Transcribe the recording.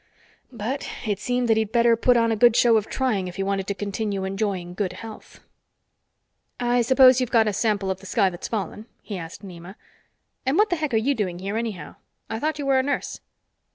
But it seemed that he'd better put on a good show of trying if he wanted to continue enjoying good health. "I suppose you've got a sample of the sky that's fallen?" he asked Nema. "And what the heck are you doing here, anyhow? I thought you were a nurse."